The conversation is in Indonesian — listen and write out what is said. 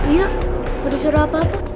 iya ada suara apa apa